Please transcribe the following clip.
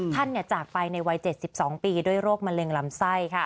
จากไปในวัย๗๒ปีด้วยโรคมะเร็งลำไส้